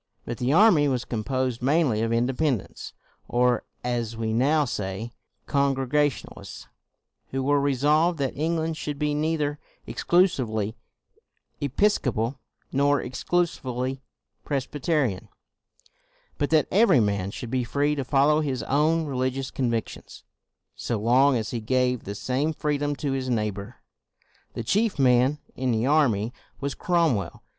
But the army was composed mainly of Independents, or as we now say, Congregationalists, who were resolved that England should be neither CROMWELL 249 exclusively Episcopal nor exclusively Pres byterian, but that every man should be free to follow his own religious convic tions, so long as he gave the same freedom to his neighbor. The chief man in the army was Cromwell.